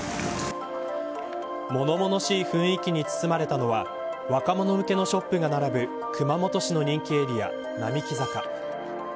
物々しい雰囲気に包まれたのは若者向けのショップが並ぶ熊本市の人気エリア、並木坂。